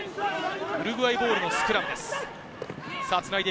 ウルグアイボールのスクラムです。